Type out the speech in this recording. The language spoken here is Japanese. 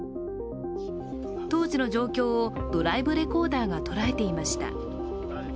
当時の状況をドライブレコーダーが捉えていました。